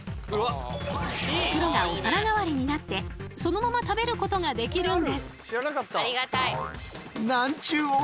袋がお皿代わりになってそのまま食べることができるんです。